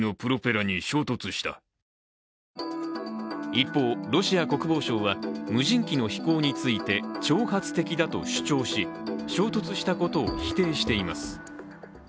一方、ロシア国防省は無人機の飛行について挑発的だと主張し、衝突したことを否定しています。